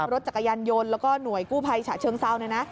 รถจักรยานยนต์แล้วก็หน่วยกู้ภัยฉะเชิงเซาเนี่ยนะ